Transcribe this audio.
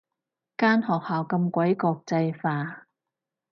間學校咁鬼國際化